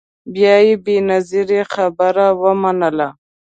بیا یې بنظیري خبره ومنله